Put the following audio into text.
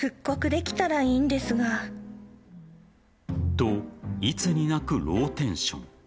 と、いつになくローテンション。